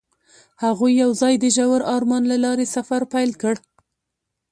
هغوی یوځای د ژور آرمان له لارې سفر پیل کړ.